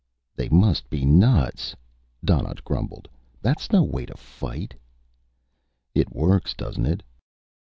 "They must be nuts," Donnaught grumbled. "That's no way to fight." "It works, doesn't it?"